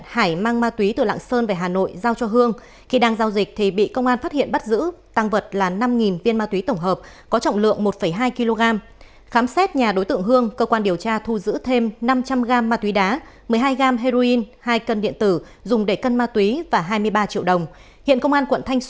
hãy đăng ký kênh để ủng hộ kênh của chúng mình nhé